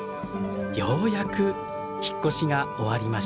ようやく引っ越しが終わりました。